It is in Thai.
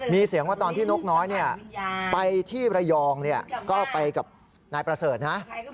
มีเสียงว่าตอนที่นกน้อยไปที่ระยองก็ไปกับนายประเสริฐนะ